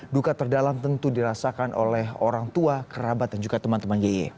duka terdalam tentu dirasakan oleh orang tua kerabat dan juga teman teman yeye